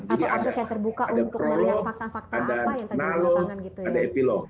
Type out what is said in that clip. jadi ada prolog ada nalog ada epilog